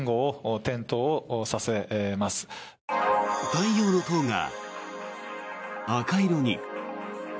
太陽の塔が赤色に。